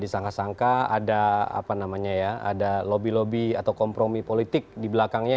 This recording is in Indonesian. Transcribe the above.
tidak disangka sangka ada lobby lobby atau kompromi politik di belakangnya